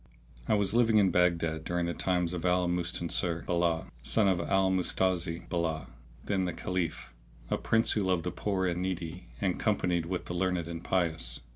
I was living in Baghdad during the times of Al Mustansir bi'llah,[FN#632] Son of Al Mustazi bi'llah the then Caliph, a prince who loved the poor and needy and companied with the learned and pious.